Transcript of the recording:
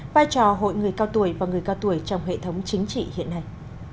vai trò hội người cao tuổi và người cao tuổi trong hệ thống chính trị hiện nay